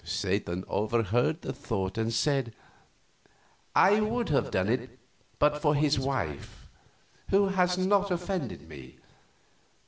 Satan overheard the thought, and said: "I would have done it but for his wife, who has not offended me.